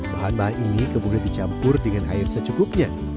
bahan bahan ini kemudian dicampur dengan air secukupnya